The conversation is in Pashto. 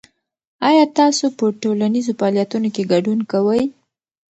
آیا تاسو په ټولنیزو فعالیتونو کې ګډون کوئ؟